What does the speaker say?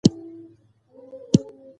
بې پرې قضا عدالت تضمینوي